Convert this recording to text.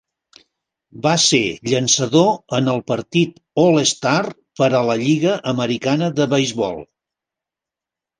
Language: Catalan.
Va ser llançador en el partit All-Star per a la Lliga Americana de Beisbol.